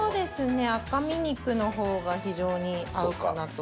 赤身肉の方が非常に合うかなと。